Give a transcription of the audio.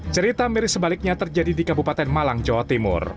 cerita miris sebaliknya terjadi di kabupaten malang jawa timur